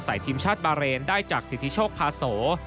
ทีมชาติบาเรนได้จากสิทธิโชคพาโส